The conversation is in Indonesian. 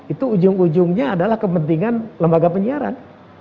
itu ujung ujungnya adalah kepentingan lembaga penyiaran